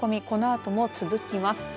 このあとも続きます。